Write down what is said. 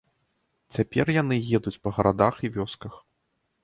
Цяпер яны едуць па гарадах і вёсках.